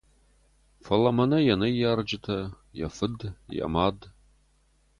Фӕлӕ мӕнӕ йӕ ныййарджытӕ, йӕ фыд, йӕ мад!